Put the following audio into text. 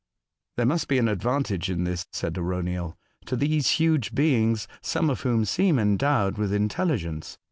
cc There must be an advantage in this," said Arauniel, '' to these huge beings, some of whom seem endowed with intelligence.